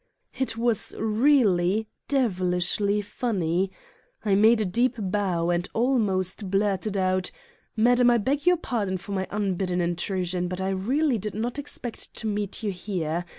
It was really devilishly funny. I made a deep bow and almost blurted out: "Madam, I beg pardon for my unbidden in trusion, but I really did not expect to meet you here.